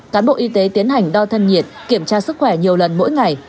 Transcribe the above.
cán bộ y tế tiến hành đo thân nhiệt kiểm tra sức khỏe nhiều lần mỗi ngày